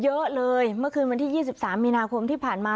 คู่กรณีเยอะเลยเมื่อคืนวันที่ื่ยสิบสามมีนาคมที่ผ่านมา